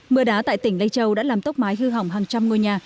mưa đá tại tỉnh lây châu đã làm tốc mái hư hỏng hàng trăm ngôi nhà